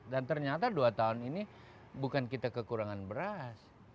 dan ternyata dua tahun ini bukan kita kekurangan beras